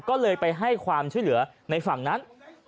ก็เลยไปให้ความช่วยเหลือในฝั่งนั้น